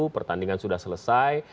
pertandingan sudah selesai